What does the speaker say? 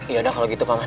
yaudah kalau gitu paman